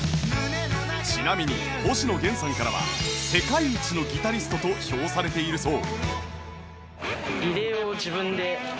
ちなみに星野源さんからは世界一のギタリストと評されているそう